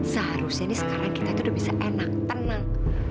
seharusnya ini sekarang kita itu udah bisa enak tenang